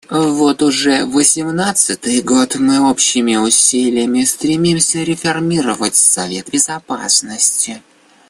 Вот уже восемнадцатый год мы общими усилиями стремимся реформировать Совет Безопасности.